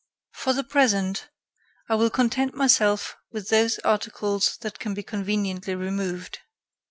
"For the present, I will content myself with those articles that can be conveniently removed.